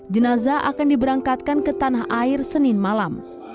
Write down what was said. jenazah akan diberangkatkan ke tanah air senin malam